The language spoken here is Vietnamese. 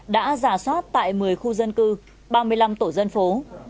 đã giả soát tại một mươi khu dân cư ba mươi năm tổ dân phố